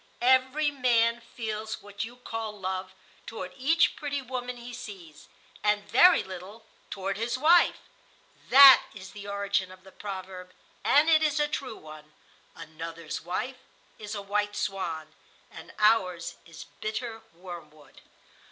Every man feels what you call love toward each pretty woman he sees, and very little toward his wife. That is the origin of the proverb,—and it is a true one,—'Another's wife is a white swan, and ours is bitter wormwood.